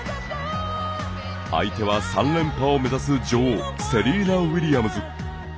相手は３連覇を目指す女王セリーナ・ウィリアムズ。